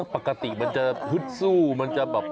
ปกติมันจะฮึดสู้มันจะแบบ